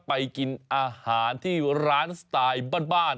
ไปกินอาหารที่ร้านสไตล์บ้าน